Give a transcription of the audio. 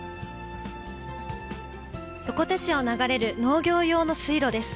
横手市を流れる農業用の水路です。